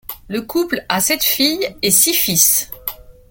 Le couple a sept filles et six fils.